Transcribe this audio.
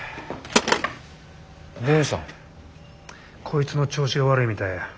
こいつの調子が悪いみたいや。